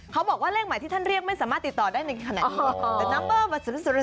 เขาบอกว่าเลขใหม่ที่ท่านเรียกไม่สามารถติดต่อได้ในขณะนี้